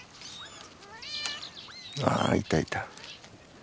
ああいたいた。